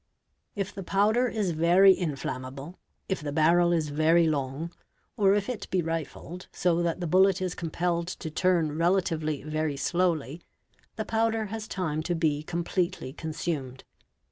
If the powder is very inflammable, if the barrel is very long, or if it be rifled so that the bullet is compelled to turn relatively very slowly, the ras af 626 — BODILY INJURIES powder has time to be completely consumed.